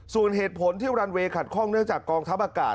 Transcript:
ส่วนเหตุผลที่รันเวย์ขัดข้องเนื่องจากกองทัพอากาศ